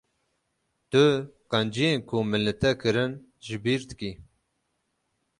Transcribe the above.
Tu qenciyên ku min li te kirin ji bir dikî.